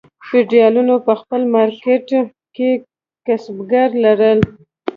فیوډالانو په خپل مالکیت کې کسبګر لرل.